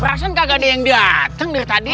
perasaan kagak ada yang dateng deh tadi